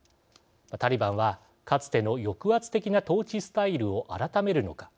タリバンはかつての抑圧的な統治スタイルを改めるのか。